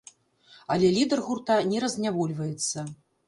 Але лідар гурта не разнявольваецца.